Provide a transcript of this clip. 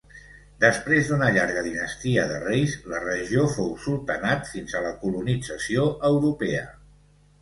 Després d'una llarga dinastia de reis, la regió fou Sultanat fins a la colonització europea.